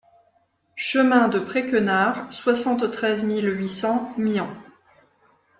Chemin de Pré Quenard, soixante-treize mille huit cents Myans